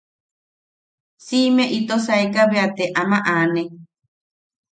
Siʼime ito saeka bea te ama anne.